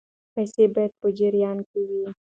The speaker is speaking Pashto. پیسې باید په جریان کې وي.